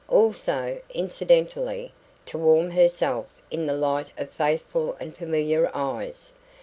Also, incidentally, to warm herself in the light of faithful and familiar eyes.